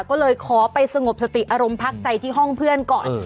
ก็เลยขอไปสงบสติอารมณ์พักใจที่ห้องเพื่อนก่อน